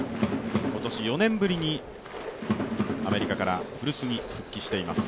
今年４年ぶりにアメリカから古巣に復帰しています。